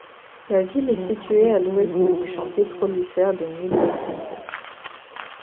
La ville est situé à l'ouest du champ pétrolifère de Midway-Sunset.